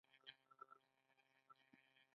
د نسترن ګل د کوم ویټامین لپاره وکاروم؟